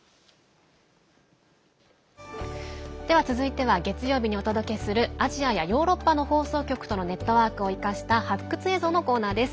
続いては月曜日にお届けするアジアやヨーロッパの放送局とのネットワークを生かした発掘映像のコーナーです。